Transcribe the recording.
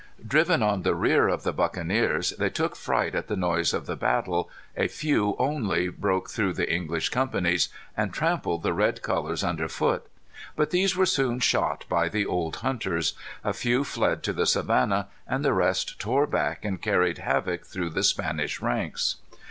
Driven on the rear of the buccaneers, they took fright at the noise of the battle, a few only broke through the English companies, and trampled the red colors under foot; but these were soon shot by the old hunters. A few fled to the savanna, and the rest tore back and carried havoc through the Spanish ranks."